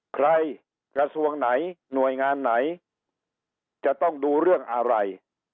กระทรวงไหนหน่วยงานไหนจะต้องดูเรื่องอะไร